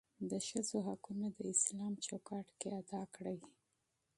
دښځو حقونه داسلام چوکاټ کې ادا کړى.